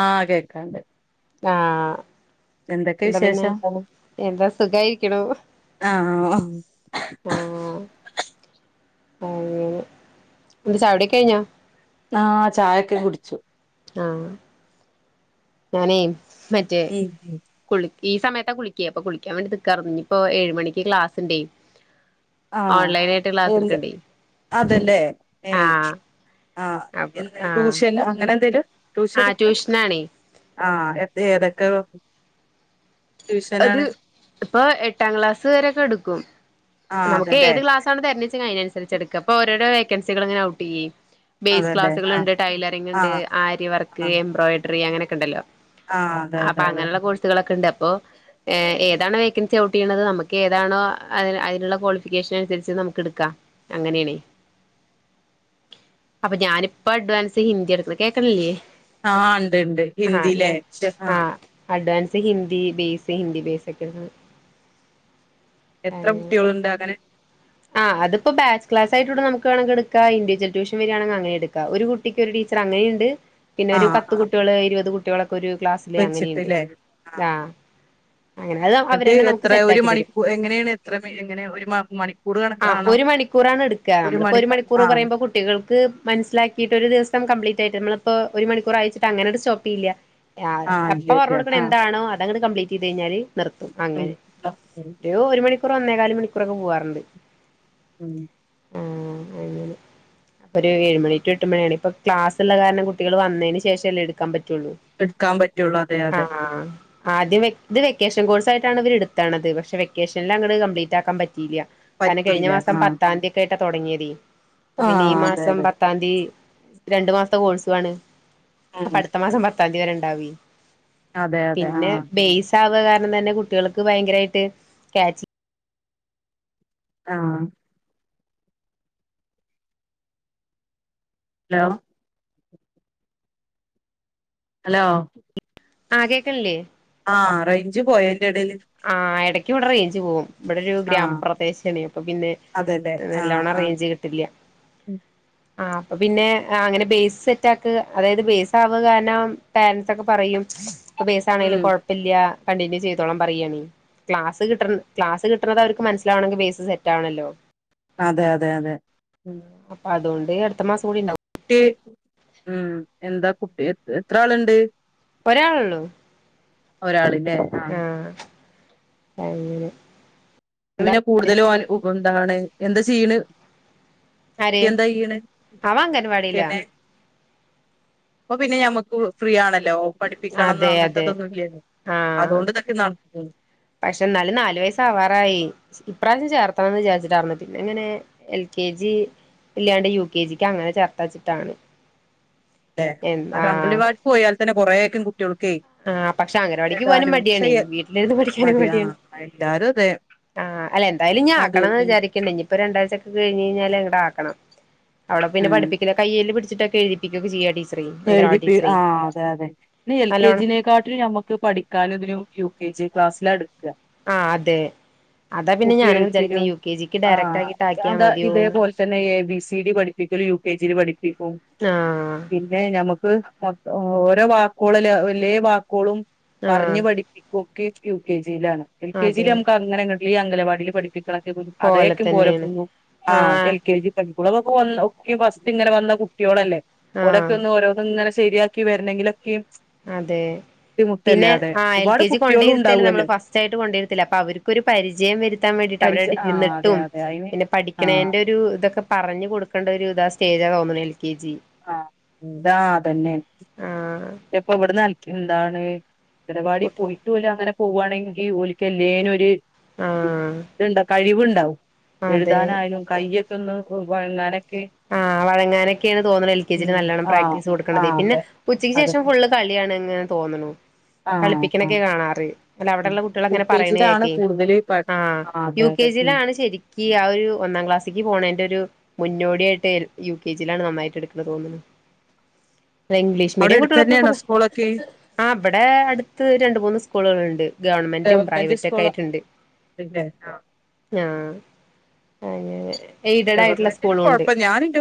ആഹ കേക്കാണ്ട് ആ എന്തൊക്കെ എന്താ പിന്നെ വിശേഷം എന്താ സുഖമായിരിക്കണ ആഹ് ആഹ ആ എന്ത ചായകുടിയൊക്കെകഴിഞ്ഞോ ആഹ ചായൊക്കെ കുടിച്ചു ആഹ ഞാനേ മറ്റേ കുളി ഈ സമയത്താ കുളിക്കേ അപ്പൊളിക്കാൻ വേണ്ടി ക്കാറ ഇപ്പൊ ഏഴു മണിക്ക് ക്ലാസ്ണ്ടേ ആഹ ഓൺലൈൻ ആയിട്ട് ക്ലാസ് എന്ത് എടുക്കണ്ടേ അതല്ലേ ഏ ആഹ് ആ ടൂഷന് അങ്ങനെ എന്തേും ആഹ ട്യൂഷനാണീ ആ ഏതൊക്കെ അത് ട്യൂഷനാണ് ഇപ്പൊ എട്ടാം ക്ലാസ്സ് വരെെടുക്കും ക്കും ആഹ് നമുക്ക് അതല്ലേ ഏത് ക്ലാസ്സണ് തിഞ്ഞെച്ച അതിനനസരി എടുക്ക അപ്പോ ഓരോരോ കെൻസികൾങ്ങനെ ഔ് ചെയ്യയും ബേസ് അതല്ലേ ആഹ് ക്ലാസ്സുകളുണ്ട് ടൈലറിങ്ങ ഉണ്ട് ആഹ് ആര്യവർക്ക് ആഹ് എംബ്രോയിഡറി അങ്ങനെയൊക്കെ ഉണ്ടല്ലോ ആഹ് അതെ അപ്പൊ അതെ അതെ അങ്ങനെയുള്ള കോഴ്സുകളൊക്കെ ഉണ്ട് അപ്പോ ഏ ഏതാ വേക്കൻസി ഔട്ട് ചെയ്യണത് നമുക്ക് ഏതാണോ അതിനുള്ള ക്വാളിഫിക്കേഷൻ അനുസരിച്ച് നമുക്ക് എടുക്കാം അങ്ങനെയണേ അപ്പൊ ഞാനിപ്പോ അഡ്വാൻസ് ഹിന്ദി എടുക്ക കേൾക്കണില്ലേ ആഹ് ഉണ്ട് ഉണ്ട് ഹിന്ദിയിലേ ആഹ ആഹ് അഡ്വാൻസ് ഹിന്ദി ബേസ് സിഹിന്ദി ബേസിക്കുന്നത് എത്ര കുട്ടികളുണ്ട് അങ്ങനെ ആ അത്പ്പോ ബാച്ച് ക്ലാസ് ആയിട്ട് നമുക്ക് വേണമെങ്കി എടുക്ക ഇൻഡിവിജ്വാൽ ട്യൂഷ വരുവാണെങ് അങ്ങനെ എടുക്ക ഒരു കുട്ടിക്ക് ഒരു ടീച്ചർ അങ്ങനെണ്ട് പിന്നെ ഒരു ആഹ് പത്ത് ആഹ് കുട്ടികള് ഇരുപത് കു ഒരു ക്ലാസിൽ അങ്ങനെയുണ്ട് വെച്ചിട്ടില്ലേ ആ ആഹ് എന്നിട്ട് എത്ര ഒരു മണിക്കൂർ എങ്ങനെയാണ് എത്ര എങ്ങന ഒരു മണിക്കൂർ ആ കണക്കാണോ ഒരു മണിക്കൂറാണ് എടുക്കുക നമ്മളിപ്പോ ഒരു മണിക്ക മണിക്കൂർ ആഹ് പറയുമ്പോ കുട്ടികൾക്ക് മനസ്സിലാക്കിയിട്ട് ഒരു ദിവസം കംപ്ലീറ്റ് റ്റായി നമ്മളിപ്പോ ഒരു മണിക്കൂറയച്ചിട്ട് അങ്ങനട് സ്റ്റോപ്പ്യ്യില്ല ആ ആഹ് അപ്പൊ ശരി പറഞ്ഞൊടുക്കണെ ആഹ് എന്താണോ അത് അങ്ട് കംപ്ലീറ്റ് ചെയ്ത് കഴിഞ്ഞാല് നിർത്തും ഉം അങ്ങനെ ഒരു മണി ഇപ്പറ ഒന്നേകാല് മണിക്കൂറൊക്കെ പോവാറുണ്ട് ഉം ആ അങ്ങനെ പ്പൊരു ഏഴ് മണി ടു എട്ട് മണിയാണ് ഇപ്പം ക്ലാസ്ള്ള കാരണം കുട്ടികൾ വന്നേന് ശേഷല്ലേ എടുക്കാൻ പറ്റു എടുക്കാൻ പറ്റുള്ളൂ അതെ അതെ ആദ്യം ഇത് വെക്കേഷൻ കോഴ്സ് ആയിട്ടാണ് ഇവരെടുത്താണത് പക്ഷെ വെക്കേഷന്ലങ്ങട് കംപ്ലീറ്റാക്കാൻ പറ്റിയില്യാ കാരണം കഴിഞ്ഞ പറ്റിയില്ല മാസം ആഹ് പത്താം തിയതിക്കെ ട്ട തുടങ്ങിയതേ പ്പപിന്നെ ഈ ആഹ് അതെ മാസം അതെ പത്താം തീ രണ്ടു മാസ്ത്തെ കോഴ്സുവാണ് അപ്പ ഉം അടുത്ത മാസം [unintelligible] വരെണ്ടാവ്വേ അതെ അതെ പിന്നെ ആഹ് ബേസ് ആവ്കകാരണം തന്നെ കു ട്ടികൾക്ക് ഭയങ്കരായിട്ട് കാച്ച് ആ ലോ ഹലോ ആ കേക്കണല്ലേ ആ റേഞ്ച് പോയ ൻ്റെടേല് ക്ക് വിടെ റേഞ്ച് പോകും ഇബ്ടൊരു ഗ്രാമപ്രദേശാണെ അപ്പൊ പിന്നെ അതെല്ലേ ആഹ് നല്ലോണം ആഹ് റേഞ്ച് കിട്ടില്ല്യ ആ അപ്പപ്പിന്നെ ആ അങ്ങനെ ബേസ് സെറ്റാക്ക് അതായത് ബേസ് ആവുക കാരണം പേരൻറ്സ് ഒക്കെ പറയും ഇപ്പൊ ബേസ് ആണെലും ഉം കൊഴപ്പല്ല്യ കണ്ടിന്യൂ ചെയ്തോളാം പറേയാണ് ക്ലാസ് കിട്ടണ് ക്ലാസ് കിട്ടണത് അവർക്ക് മനസ്സിലാവണെങ്കി ബേസ് സെറ്റ് ആവണല്ലോ അതെയതെയതെ [unintelligible] അടുത്ത മാസം കൂടി ണ്ടാവു കുട്ടി ഉം എന്താ കുട്ടി എത്രാള്ണ്ട് ഒരാളുള്ളൂ ഒരാള് ആ അങ്ങനെ എന്താ പിന്നെ കൂടുതലും ഓന് [unintelligible] എന്താണ് എന്താ ചെയിണ് ആര് അവൻ അംഗൻവാടിയിലാ അപ്പൊ പിന്നെ ഞമ്മക്ക് ഫ്രീ ആണ ലോ പഠിപ്പിക്കണംന്ന് അതെ അതെ അങ്ങനത്തെതൊന്നും ഇല്ലായിരുന്നു ആഹ് അതുകൊണ്ട് ഇതൊക്കെ നടക്കും പക്ഷെ എന്നാലും നാലു വയസാവാറായി ഇപ്രാവശ്യം ചേർത്തണംന്ന് വിചാരിച്ചിട്ടായിന്ന പിന്നെ അങ്ങനെ എൽ കെ ജി ഇല്ലാണ്ട് യു കെ ജിക്ക് അങ്ങനെ ചേർത്ത വച്ചിട്ടാണ് അല്ലെ അത് അംഗൽവാടിൽ പോയാൽ തന്നെ കുറേക്ക ആ പക്ഷെ അംഗനവാടിക്ക് പോകാനും മടിയാണ് ചെയ്യ വീട്ടിലിരുന്ന് പഠിക്കാനും മടിയാ മടിയാണ് എല്ലാരും അതെ ആ അല്ല എന്തായാലും ഞാൻ ആക്കണന്ന് മടിയന്നെ വിചാരിക്കണ്ടേ ഇനിയിപ്പോ രണ്ടാഴ്ചക്കെ കഴി കഴിഞ്ഞാല് ഇങ്ങടാക്കണം അവള പിന്നെ ഉം പഠിപ്പിക്കല് കൈയില് പിടിച്ചിട്ടെ എഴിതിപ്പികൊക്കെ ചെയ്യാ ടീ എഴിതിപ്പി ആ അതെ അതെ ഇ എൽ കെ നല്ലോണം ജിനെ കാ നമുക്ക് പഠിക്കാനും ഇതിനും യു കെ ജി ക്ലാസ്സിലാണ് ആ അതെ അതാ പിന്നെ കൂട്ടി ഞാന വിചാരിക്കണ എഴുത്തിനും യു കെ ജിക്ക് ആ ഡയറക്ടാക്കിട്ട് ആക്കിയാ മതിയോന്ന് വീട്ടി പഠിപ്പിക്കലും യു കെ ജി ല് പഠിപ്പി ആ ഞമുക്ക് മൊത്തം ഓരോ വാക്കോളല്ലേ വല്ല്യയെ വാക്കോളും പറഞ്ഞ് പഠിപ്പിക്കും കേക്കു കേ എൽ കെ ജിലാണ് എൽ ആ കെ ജി ല് അതെ നമുക്ക് അങ്ങനെ അങ്ങ ഈ അംഗലവാടില് പഠിപ്പി [unintelligible] അതേക്കും പോലെ പോവും ആ ആഹ് എൽ കെ ജി പഠി സ്കൂളിന്ന് വന്ന ഒക്കെ ഫസ്റ്റ് ഇങ്ങനെ വന്ന കുട്ട്യോളല്ലേ ഓലെ ആഹ് [unintelligible] ഓരോന്ന്ങ്ങനെ സ്കു ശരിയാക്കി വരണെങ്കിലൊക്കെയും അതെ ബുദ്ധിമുട്ടല്ലേ പിന്നെ അതെ ആ എൽ ഒരുപാട് കെ ജി കുട്ടികളും കൊണ്ടയിരുത്തല്ല നമ്മള് ഉണ്ടാവുമല്ലോ ഫസ്റ്റ് ആയിട്ട് കൊണ്ടരത്തില്ല അപ്പൊ അവർക്ക്ൊരു പരിചയം വരുത്താൻ വേണ്ടിട്ട് പരിച അവരവ്ടെ ആഹ് അതെ ഇരുന്നിട്ടും അതെ അയിന് പിന്നെ ആഹ് പഠിക്കണേന്റെ ഒരു ഇതൊക്കെ പറഞ്ഞ് കൊടുക്കേണ്ട ഒരു ഇതാ സ്റ്റേജാ തോന്ന്ണ് എ ൽ ആ ഇതാ അതന്നെ ആഹ് പ്പ ഇവിടെ [unintelligible] എന്താണ് അംഗൻവാടി കുട്ടി പൊയിട്ടുല്ല അങ്ങനെ പുവാണെങ്കി ഓൽക്ക് എല്ലെനൊര് [unintelligible] ആഹ് ണ്ട കഴിവ്ണ്ട ടൗ അതെ എഴുതാനായാലും കയ്യൊക്കൊന്ന് [unintelligible] ആ വഴങ്ങാനെക്കെണ് തോന്നണ് എൽ കെ ജി ല് നല്ലണം ആഹ് പ്രാക്ടീസ് കൊടുക്കണതെ ആഹ് പിന്നെ അതെ ഉച്ച ച്ചക്ക് അതെ ശേഷം ഫുള് കളിയാണ്ങ്ങ് തോന്നുണു ആഹ് കളിപ്പിക്കണൊക്കെ ആഹ് കാണാറ് അല്ല അവടള്ള കുട്ടളൊക്കെ യു ഇങ്ങനെ കെ ജിയിലാണ് പറയണകേക്കെ കൂടുതൽ പ ആ ആഹ് യു അതെ കെ അതെ ഉം ജിലാണ് ശെരിക്ക്‌ ആ ഒരു ഒന്നാക്ലാസീ ക്ക് പോണെന്റെരൂ മുന്നോടിയട്ട് ട്ടേൽ യു കെ ജിലാണ് നന്നായിട്ട് എടുക്കണ് തോന്ന്ണ് ല്ല ഇംഗ്ലീഷ് അവിടെ മീഡിയം അടുത്ത് കുട്ടോൾ തന്നെയാണോ ക്കൊക്കെപെ സ്കൂളൊക്കെ ആ ഇപടെ അടുത്ത് രണ്ട് മൂന്ന് സ്കൂളുകളുണ്ട് ഗവൺമെന്റും ഗവൺമെന്റ് പ്രൈവറ്റൊക്കെ സ്കൂള് ആയിട്ട് അല്ലേ ആഹ് ണ്ട് ആ അ യ യ യ യ എയ്ഡഡ് ആയിട്ട്ള്ള സ്കൂളുഉണ്ട്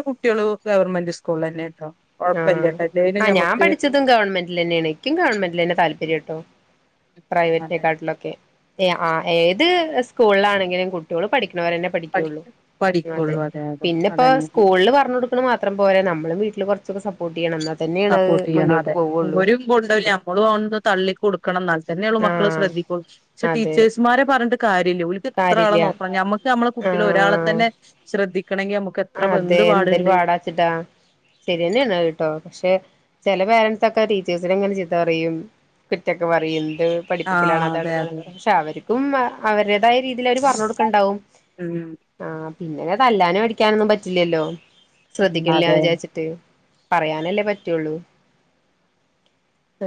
കുട്ടേളു ഗവർമെന്റ് സ്കൂളിലെന്നെട്ടോ ആ ആ ഞാൻ പഠിച്ചതും ഗവൺമെ ന്റിലെനേണെ എക്കും ഗവൺമെന്റിലെന്നെ താല്പര്യം ട്ടോ അതെ പ്രൈവറ്റ്ലെക്കാട്ടിലൊക്കെ ഏ ആ ഏത് സ്കൂളിലാണെങ്കിലും കുട്ട്യോള് പഠികു ന്നൊരനെ പഠിക്കുള്ളൂ പഠിക്കും അതെ പഠിക്കുള്ളൂ അതെ പിന്നപ്പോ അതന്നെ സ്കൂൾല് പറഞ് കൊടുക്കണ മാത്രം പോര നമ്മളും വീട്ടില് കൊറച് ക്ക സപ്പോട്ടെയ്യണം ന്ന സപ്പോർട്ട് ചെയ്യണം അതെ ഒരും കൊണ്ടലു നമ്മളുഓന്തേതള്ളി കൊടുക്കണം എന്നാൽതന്നെയോള്ളൂ മക്കള് ആഹ് ശ്രദ്ധിക്കുള്ളൂ പക്ഷേ അതെ ട്ടീച്ചേഴ് സ്മാരെ പറഞ്ഞിട്ട് കാര് ദിലു ഓൽക്ക് ഇത്ര ആള കാര്യല്ല നോക്കണം ഞമ്മക്ക് നമ്മളകുട്ടളെ ആഹ് ഒരാളതന്നെ ശ്രദ്ധി അതെ എന്തൊരൂ പാടാച്ചിട്ടാ ശരിയന്നെണ് അഹ് ട്ടോ ക്ഷെ ചില പേരൻസൊക്കെ ട്ടീ ച്ചേഴ്സിനിങ്ങനെ ചിത്ത പറയും കുറ്റൊക്കെ പറയും ത് പഠിപ്പിക്കലാണ് ആഹ് അതാത് അതെ അതെ താണണ് ച്ചാവല് ഉമ്മ് അവരെതായ രീതിയില് അവര് പറഞൊട്ക്ക്‌ണ്ടാവും ഇമ് പിനെ തല്ലാനും അടി ക്കാനൊന്നും പറ്റില്ലല്ലോ ഉം അതെ ശ്രദ്ധിക്കില്ല്യാന്ന് വിജാരിച്ചിട്ട് പറയാനല്ലേ പറ്റൊള്ളൂ ഹ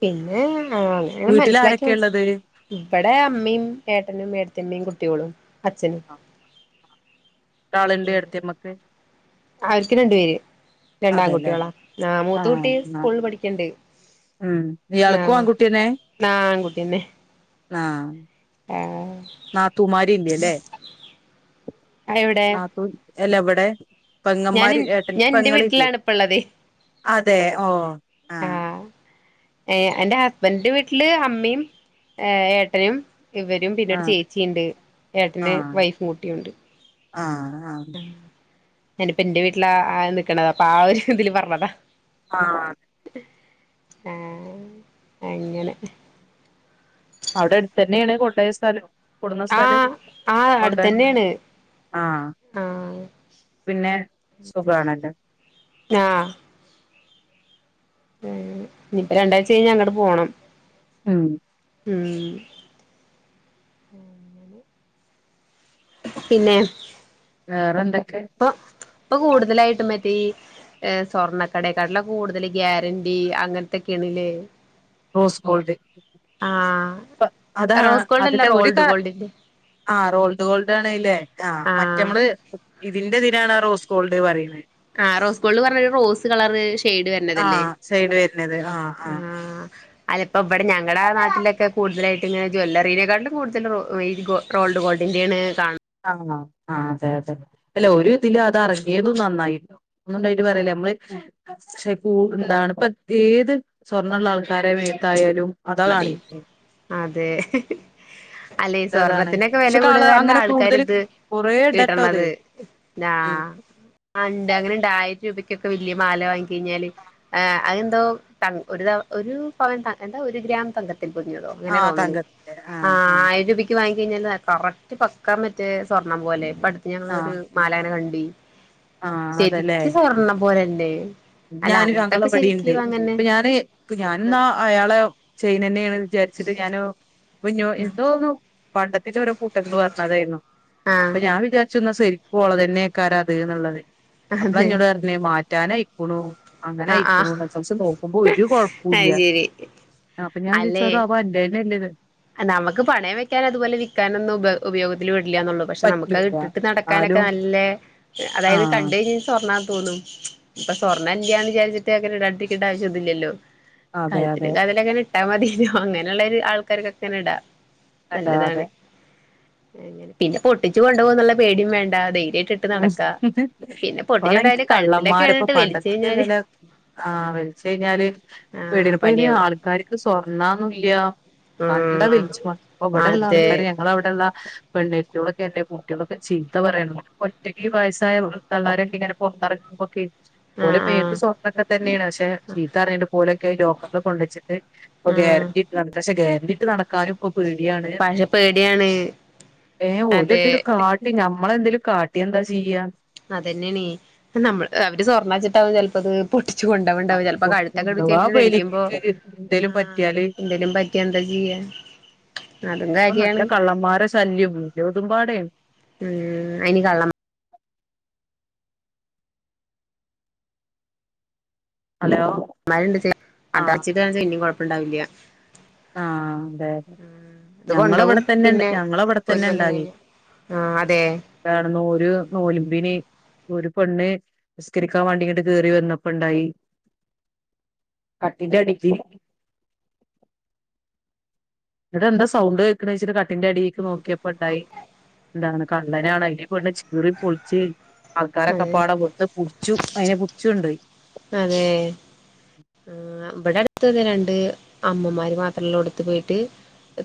പിന്നെ ആഹ അവര് വീട്ടിൽ മനസ്സിലാക്കി ആരൊക്കെ ഇള്ളത് മനസ്സ് പട് ടെ അമ്മേം ഏട്ടനും ഏട്ടത്തിയമ്മേം കുട്ട്യോളും അച്ഛനും ടാളിന്റെ അടുത്തമ്മക്ക് അവർക്ക് രണ്ടപേര് അതെല്ലേ രണ്ടാംകുട്ടികളാ ആ് മൂത്ത ആഹ് കുട്ടി ന്നാ സ്കൂളിൽ പഠിക്കണ്ട് ഉം ആ ഇയാൾക്കും ആൺകുട്ടിയന്നെ? ആൻകുട്ടിന്നെ ആ ആ നാത്തൂമാരി ഇല്ലേല്ല്യ എവിടെ നാത്തൂൻ എല്ല ഇവിടെ ഞാൻ പെങ്ങമാര് ഞാൻ ഏട്ടന് എന്റെ പെങ്ങള ഇല്ലേ വീട്ടിലാണ് ഇപ്പ ഉള്ളത് അതെ ഓ ആ ഏ എൻ്റെ ഹസ്ബൻഡന്റെ വീട്ടില് അമ്മയും ഏട്ടനും ഇവരും പിന്നീട് ആഹ് ചേച്ചിയുണ്ട് ഏട്ടന് വൈഫും കുട്ടിയുണ്ട് ആഹ ആഹ ഞാനിപ്പോ എന്റെ വീട്ടില നിക്കണത് അപ്പൊ ആ ഒരു ഇന്തതില് പറഞ്ഞത ആഹ ആ അങ്ങനെ അവിടെ അടുത്ത് തന്നെയാണ് കൊണ്ടായ സ്ഥലം കൊടുന്ന സ്ഥലം ആഹ ആ കൊണ്ടേ അടുത്തന്നെയാണ് ആഹ് ആഹ പിന്നെ സുഖാണല്ലോ ആഹ ആ ഇനിയിപ്പ രണ്ടാഴ്ച കഴിഞ്ഞാ അങ്ങോട്ട് പോണം മം ഉം പിന്നെ വേറേന്താ ഇപ്പൊ ഇപ്പൊ കൂടുതലായിട്ടും മറ്റേ ഈ സ്വർണ്ണക്കടക്കാട്ടിലൊക്കെ കൂടുതൽ ഗ്യാരണ്ടി അങ്ങനത്തെ കിണിലേ റോസ് ഗോൾഡ് അതാ ആഹ് റോസ് ഗോൾഡ് അല്ല അതിന്റെ ഒരു റോൾഡ് കാരണം ഗോൾഡിന്റെ ആ റോൾഡ് ഗോൾഡ് ആണല്ലേ ആഹ ആഹ് മറ്റമ്മള് ഇതിന്റെ ഇതിനാണ് ആ റോസ് ഗോൾഡ് പറയുന്നത് ആ റോസ് ഗോൾഡ് പറഞ്ഞരു റോസ് കളർ ഷെയ്ഡ് വരണതല്ലേ ആഹ് സൈഡ് വരുന്നത് ആഹ് ആഹ് ആ അതിപ്പോൾ ഇവിടെ ഞങ്ങളുടെ ആ നാട്ടിലൊക്കെ കൂടുതലായിട്ട് ഇങ്ങെന ജ്വവല്ലലറിനെക്കാളു കൂടുതൽ ഈ റോൾഡ് ഗോൾഡിൻ്റെണ് കാണുന്നത് ആഹ ആ് അതെ അതെ അല്ല ഒരു ഇതിലും അത് അറങ്ങിയതും നന്നായിോ ഒന്നുംണ്ടായിട്ട് പറയല്ലേ നമ്മള് എന്താണ് ഇപ്പ ഏത് സ്വർണ്ണമുള്ള ആൾക്കാരെ മേത്തായാലും അതാ മതി കാണിക്ക അതെ അല്ലെ ഈ അതാണ് സ്വർണത്തിനൊക്കെ പക്ഷെ കള വെലകൂടുകാർഞ്ഞ അങ്ങനെ ആൾക്കാര് കൂടുതൽ ഇത് കൊറേ ഇടട്ടോ അത് ഇടണത് ആ ഉം ആണ്ട് അങ്ങനെണ്ടായി രൂപയ്ക്കൊക്കേ വെല്ല്യെ മാല വാങ്ങി കഴിഞ്ഞാല് ആ അതെന്തോ ഒരു പവ എന്താ ഒരു ഗ്രാം തങ്ക ത്തി പൊതിഞ്ഞതോ അങ്ങനെ ആ തോന്നണ് തങ്കത്തിന്റെ ആ ആ ആയ്രം രൂപക്ക് വാ കഴിഞ്ഞൽ കറക്റ്റ് പക്കാ മറ്റേ സ്വർണം പോല്ലേ അടുത്ത് ആ ഞങ്ങളൊരു മാലാങ്ങന കണ്ടി ആ ശരിക്കും സ്വർണ്ണം പോലെ ദേ ഞാനൊരു അങ്ങളവടിണ്ട് അപ്പൊ ഞാന് പ്പ ഞാനിന്നാ അയാളെ ചൈനന്നേണ് വിചാരിച്ചിട്ട് ഞാനു കുഞ്ഞോ എന്തോന്നോ പണ്ടത്തി [unintelligible] കൂട്ടംന്ന് പറഞ്ഞതായിരുന്നു ആ അപ്പൊ ഞാൻ വിചാരിച്ച്ന്നാ സെരി കോള തന്നേക്കാരത് ന്ന്ള്ളത് അപ്പോള അതെ എന്നോട് പറഞ്ഞെ മാ [unintelligible] [unintelligible] അങ്ങനെ ആ ആയിക്ക്ണു ആ [unintelligible] നോക്കുമ്പോ ഒരു അത് കുഴപ്പൂല്ല ശരി അപ്പൊ ഞാൻ ചോദിച്ചോ അല്ലെ അതോ അപ്പൊ എന്റെറന്നെല്ലത് നമുക്ക് പണയം വെക്കാൻ അതുപോലെ വിക്കാനൊന്ന ഉപ ഉപയോഗത്തിൽ ഇല്ല്യാന്നൊള്ളൂ പക്ഷെ നമുക്ക്ത് പറ്റൂല ഇട്ടിട്ട് നടക്കാനൊക്കെ എന്നാലും നല്ലെ അതായത് ആ കണ്ടകഴിഞ്ഞ സ്വാർണാ തോന്നു ഇപ്പൊ സ്വർണ്ണംഇല്ല്യാന്ന് വിചാരിച്ചിട്ട് അങ്ങനെ ഇടേണ്ടിരിക്കണ്ട ആവശ്യൊന്നുല്ലല്ലോ അതെ അതെ കഴ്ത്തില് കാതിൽ അങ്ങനെ ട്ടാമദീനോ അങ്ങനെയുള്ളൊ ഒരു ആൾക്കാരൊക്കെ കനഡ അതെ അതെ നല്ലതാണ് അങ്ങനെ പിന്നെ പൊട്ടിച്ച് കൊണ്ടോവോന്നുള്ള പേടിം വേണ്ട ധൈര്യമായിട്ട് ഇട്ട് നടക്കാ [unintelligible] പിന്നെ എനിക്ക് പൊട്ടിച്ചോണ്ടായാല് കഴുത്തിലൊക്കെ കള്ളന്മാരപ്പൊ ഇട്ടിട്ട് വലിച്ചു പണ്ടത്തിന്റെ കഴിഞ്ഞാല് വെല ആ വെൽച്ചഴിഞ്ഞാല് ആ വീടിനപ്പയ്ന് പണിയാവും ആൾക്കാർക്ക് സ്വർണ്ണാന്നുല്ല കണ്ട വേ ഇപ്പ ആ അതെ ഇബടള്ളാൾക്കാര് ഞങ്ങളവ്ടെള്ള [unintelligible] കുട്ടികളൊക്കെ ചീത്ത പറയ ഒറ്റക്ക് ഈ വയസ്സായതള്ളാരൊക്കെ ഇങ്ങനെ പോർത്തെർങ്ങുമ്പൊക്കെ പോലെ ആഹ് മേത്ത് ആഹ് സ്വർണ്ണൊക്കെ തന്നേണ് പഷെ ചീത്തറീണ്ട് പ്പോര് ലോക്കറിൽ കൊണ്ടെച്ച് പ്പോ ആഹ് ഗ്യാരണ്ടിട്ടട്ക്ക പഷെ ഗേരണ്ടി നടക്കായും [unintelligible] പേടിയാണ് പക്ഷെ പേടിയാണ് ഏ [unintelligible] അതെ നമ്മളെന്തും കാ [unintelligible] ചെയ്യാ അതന്നെയണീ നമ്മ അവര് സ്വർണ്ണച്ചിട്ടാ ചിലപ്പോത് പൊട്ടി കൊണ്ട കൊണ്ടാവ ചെപ്പോ അപ്പൊ കഴുത്തൊക്കെ അഥവാ പിടിച്ചല്ല പരിക്കുമ്പോ ഇബലിക്ക് എന്തേലും ആ പറ്റിയാല് എന്തേലും പറ്റിയെ എന്താ ചെയ്യാ അതും ഇപ്പൊ നല്ല കാര്യാണ് കള്ളന്മാരെ ശല്യം എല്ലോടുംപാടെയാണ് അതിന് കള്ളം ഹലോ [unintelligible] ഇണ്ടാവില്യ ആഹ അതെതെ ഇത് കൊണ്ടോവും ഞങ്ങളവിടെ തന്നെ പിന്നെ ഞങ്ങളവിടെ ഒരു തന്നെ കൊല്ലം ഇണ്ടവ്യെ കഴിഞ്ഞ ആഹ് അതെ ഒരു [unintelligible] ഒരു പെണ്ണ് നിസ്കരിക്കാൻ വേണ്ടി ഇങ്ങട്ട് കറി വന്നപ്പോ ഇണ്ടായി കട്ടിന്റ അടി ഇവിടെന്താ സൗണ്ട് കേക്കണ വച്ചട്ട് കട്ടിന്റെ അടിക്ക് നോക്കിയപ്പ ട്ടായി എന്താണ് കള്ളനാണ് അയ്നീ പെണ്ണ് ചീറി പൊളിച്ച് അതെ ആൾക്കാരൊക്കപ്പാടം വന്ന് പിടിച്ചു അയിനെ പിടിച്ചുണ്ടോയി അതെ ആ രണ്ട് അമ്മമാര് മാത്രമല്ല എടുത്തു പോയിട്ട്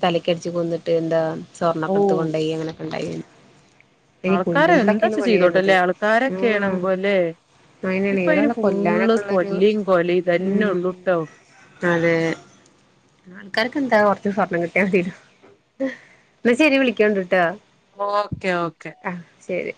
തലക്ക്ടിച്ച് കൊന്നിട്ട് എന്താ [unintelligible] ഓ സ്വർണ്ണക്കെടത്ത് കൊണ്ടോയി അങ്ങനൊക്കെണ്ടായി. ആൾക്കാരെ എന്താച്ച ചെയ്തോട്ടല്ലേ ആൾക്കാരൊക്കെ ഉം ആണ്പോല്ലേ ഇപ്പൊ അയിന് പു കൊല്ലാനക്കോള്ളോരു ഉം ഉള്ളൂട്ടോ അതെ ആൾക്കാരൊക്കെ ന്താ കൊറച്ച് സ്വർണം കിട്ടിയ തീരു ന്ന ശരി വിളിക്കൊണ്ടുട്ടാ. Okay okay. ശരി.